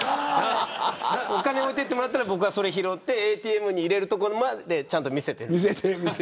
お金を置いてもらったら僕がそれを拾ってＡＴＭに入れるところまで見せてます。